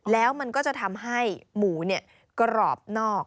แล้วมันก็จะทำให้หมูกรอบนอก